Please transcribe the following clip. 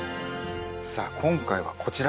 さあ今回はこちら。